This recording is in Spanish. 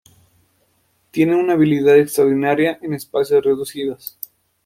Tiene una habilidad extraordinaria en espacios reducidos.